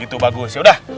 gitu bagus yaudah